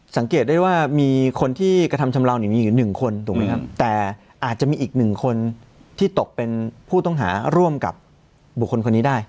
สังเกตได้ว่ามีคนที่กระทำชำราวเนี่ยมีอยู่หนึ่งคนถูกไหมครับแต่อาจจะมีอีกหนึ่งคนที่ตกเป็นผู้ต้องหาร่วมกับบุคคลคนนี้ได้